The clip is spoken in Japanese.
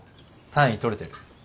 単位取れてる？